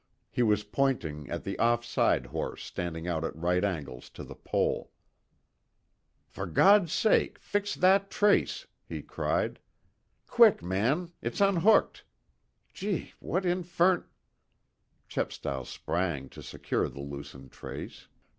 He was pointing at the off side horse standing out at right angles to the pole. "For God's sake, fix that trace," he cried. "Quick, man! It's unhooked! Gee! What infern " Chepstow sprang to secure the loosened trace.